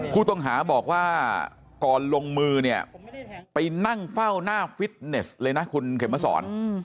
ผู้ต้องหาบอกว่าก่อนลงมือเนี่ยไปนั่งเฝ้าหน้าฟิตเนสเลยนะคุณเข็มมาสอน